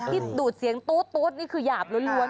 ที่ดูดเสียงตู๊ดนี่คือหยาบล้วน